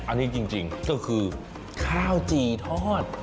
อันนี้จริงก็คือข้าวจี่ทอด